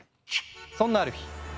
そんなある日。